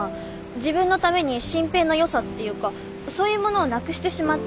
自分のために真平のよさっていうかそういうものをなくしてしまっていいのか。